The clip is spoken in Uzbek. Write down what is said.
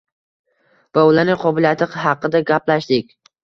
va ularning qobiliyati haqida gaplashdik.